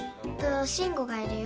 しんごがいるよ。